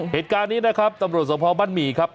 เหตุการณ์นี้นะครับตำรวจสมภาพบ้านหมี่ครับ